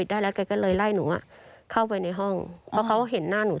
คือมุมตรงทางเดินข้างในตึก